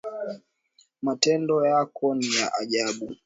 Matendo yako ni ya ajabu.